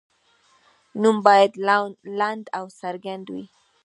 نوم باید لنډ او څرګند وي.